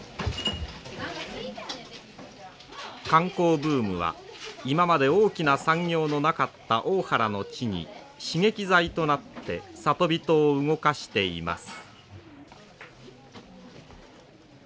観光ブームは今まで大きな産業のなかった大原の地に刺激剤となって里人を動かしています。